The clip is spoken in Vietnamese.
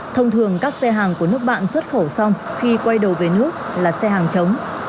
thông thường các xe hàng của nước bạn xuất khẩu xong khi quay đầu về nước là xe hàng chống